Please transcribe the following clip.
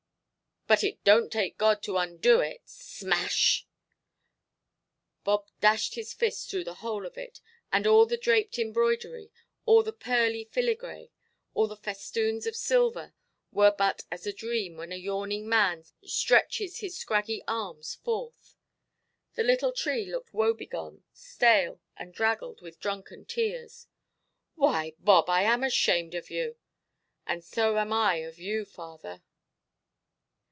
"But it donʼt take God to undo it. Smash"! Bob dashed his fists through the whole of it, and all the draped embroidery, all the pearly filigree, all the festoons of silver, were but as a dream when a yawning man stretches his scraggy arms forth. The little tree looked wobegone, stale, and draggled with drunken tears. "Why, Bob, I am ashamed of you". "And so am I of you, father".